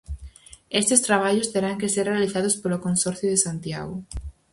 Estes traballos terán que ser realizados polo Consorcio de Santiago.